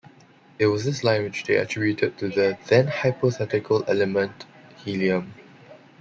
It was this line which they attributed to the then hypothetical element, helium.